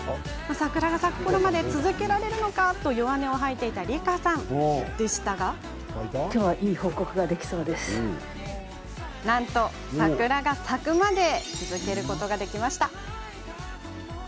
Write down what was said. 桜が咲くころまで続けられるのかなと弱音を吐いていたりかさんでしたがなんと、桜が咲くまで続けることができました。